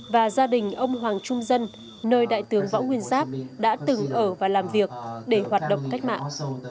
và gia đình ông hoàng trung dân nơi đại tướng võ nguyên giáp đã từng ở và làm việc để hoạt động cách mạng